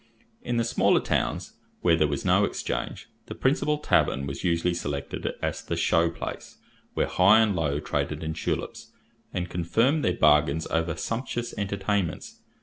In the smaller towns, where there was no exchange, the principal tavern was usually selected as the "show place," where high and low traded in tulips, and confirmed their bargains over sumptuous entertainments.